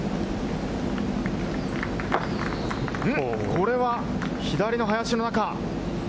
これは左の林の中。